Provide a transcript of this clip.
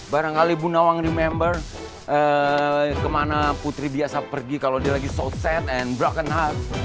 barangkali bu nawang remember kemana putri biasa pergi kalau dia lagi so sad and broken heart